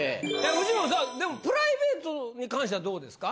フジモンでもプライベートに関してはどうですか？